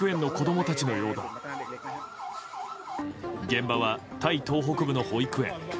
現場はタイ東北部の保育園。